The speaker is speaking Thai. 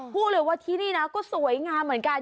พูดเลยว่าที่นี่นะก็สวยงามเหมือนกัน